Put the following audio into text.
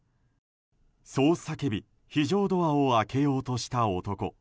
そう叫び非常ドアを開けようとした男。